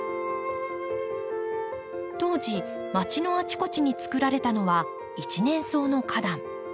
当時まちのあちこちにつくられたのは一年草の花壇。